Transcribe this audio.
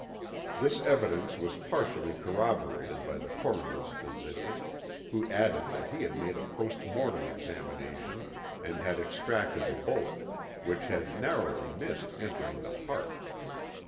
This evidence was partially corroborated by the coroner's physician, who added that he had made a post mortem examination and had extracted the bullet, which had narrowly missed entering the heart.